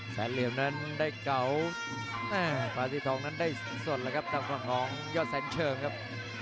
แสนเหลี่ยมนั้นได้เก่าภาษีทองนั้นได้สดเลยครับจากข้างของยอดแสนเชิงครับ